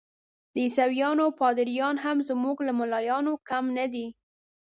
د عیسویانو پادریان هم زموږ له ملایانو کم نه دي.